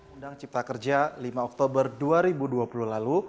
undang cipta kerja lima oktober dua ribu dua puluh lalu